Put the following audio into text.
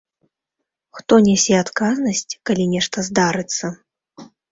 Хто нясе адказнасць, калі нешта здарыцца?